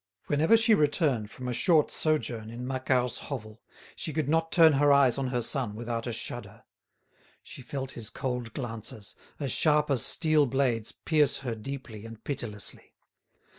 Whenever she returned from a short sojourn in Macquart's hovel she could not turn her eyes on her son without a shudder. She felt his cold glances, as sharp as steel blades pierce her deeply and pitilessly.